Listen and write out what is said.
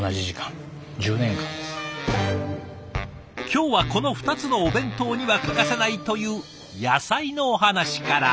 今日はこの２つのお弁当には欠かせないという野菜のお話から。